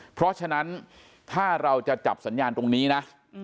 เพราะฉะนั้นถ้าเราจะจับสัญญาณตรงนี้นะ